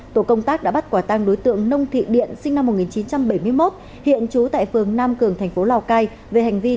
tổ công tác đã bắt quả tang đối tượng nông thị điện sinh năm một nghìn chín trăm bảy mươi một hiện trú tại phường nam cường thành phố lào cai